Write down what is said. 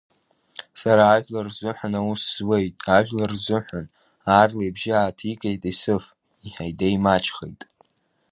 Сара ажәлар рзыҳәан аус зуеит, ажәлар рзыҳәан, аарла ибжьы ааҭикааит Есыф, иҳаидеи маҷхеит.